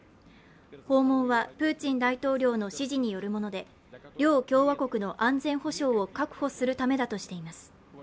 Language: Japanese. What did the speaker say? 訪問はプーチン大統領の指示によるもので、両共和国の安全保障を確保するためだとしています。